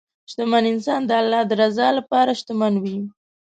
شتمن انسان د الله د رضا لپاره شتمن وي.